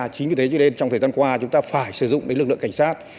chính vì thế cho nên trong thời gian qua chúng ta phải sử dụng lực lượng cảnh sát